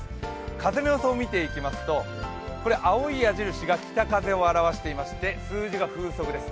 風の予想を見ていきますと青い矢印が北風を表していまして数字が風速です。